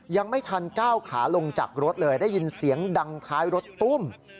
ยังไม่ทันก้าวขาลงจากรถเลยได้ยินเสียงดังท้ายรถตุ้ม